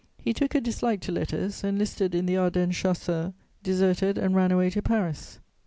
He took a dislike to letters, enlisted in the Ardennes Chasseurs, deserted, and ran away to Paris.